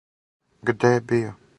Где је био.